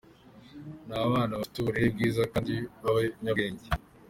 Ni abana bafite uburere bwiza kandi b’abanyabwenge.